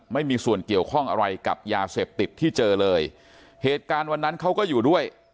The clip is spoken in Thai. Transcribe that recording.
ไม่มีส่วนเกี่ยวข้องอะไรกับยาเสพติดที่เจอเลยเหตุการณ์วันนั้นเขาก็อยู่ด้วย